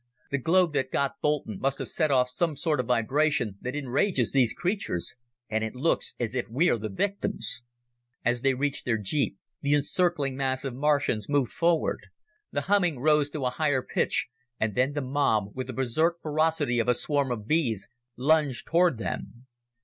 The globe that got Boulton must have set off some sort of vibration that enrages these creatures. And it looks as if we're the victims." As they reached their jeep, the encircling mass of Martians moved forward. The humming rose to a higher pitch, and then the mob, with the berserk ferocity of a swarm of bees, lunged toward them.